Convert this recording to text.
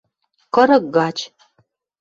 Кырык гач.